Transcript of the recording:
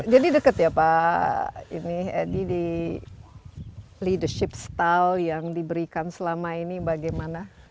dekat ya pak ini edi di leadership style yang diberikan selama ini bagaimana